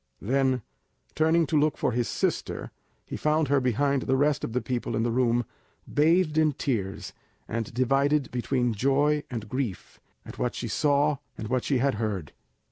Then, turning to look for his sister, he found her behind the rest of the people in the room, bathed in tears, and divided between joy and grief at what she saw and what she had heard.